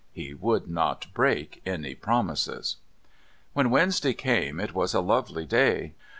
He would not break any promises. When Wednesday came it was a lovely day.